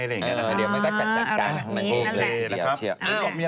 มันควรกับทีเดียว